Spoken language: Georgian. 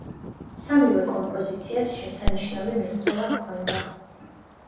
სამივე კომპოზიციას შესანიშნავი მიღწევა ჰქონდა.